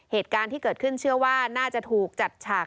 เหตุการณ์ที่เกิดขึ้นเชื่อว่าน่าจะถูกจัดฉาก